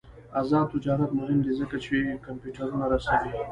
آزاد تجارت مهم دی ځکه چې کمپیوټرونه رسوي.